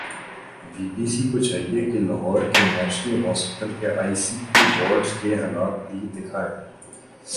be B C کو چاہیے کہ لاہور کے نیشنل ہوسپٹل کے آئی سی یو وارڈز کے حالات بھی دیکھائیں